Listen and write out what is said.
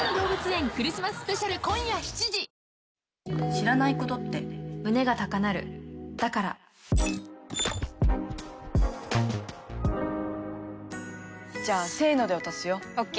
知らないことって胸が高鳴るだからじゃあせので渡すよ。ＯＫ。